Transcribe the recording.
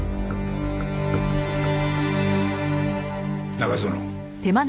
中園。